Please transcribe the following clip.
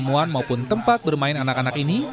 pertemuan maupun tempat bermain anak anak ini